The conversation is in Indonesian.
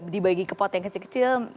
dibagi ke pot yang kecil kecil